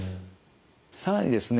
更にですね